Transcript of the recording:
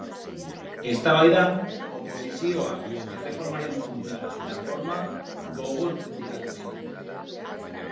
Eztabaidan, oposizioak erreformaren funtsa eta forma gogor kritikatu ditu.